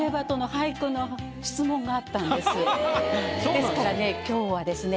ですからね今日はですね